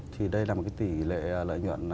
thì đây là một cái tỷ lệ lợi nhuận